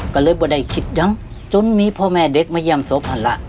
ก็เลยไม่ได้คิดดังจนมีพ่อแม่เด็กมาย่ำศพหันละ